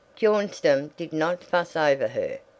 Bjornstam did not fuss over her.